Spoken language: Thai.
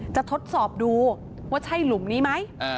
ทดสอบดูว่าใช่หลุมนี้ไหม